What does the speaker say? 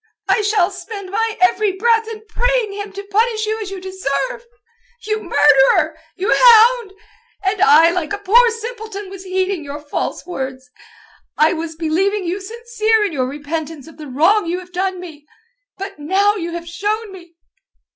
I shall spend my every breath in praying Him to punish you as you deserve. You murderer! You hound! And I like a poor simpleton was heeding your false words. I was believing you sincere in your repentance of the wrong you have done me. But now you have shown me...."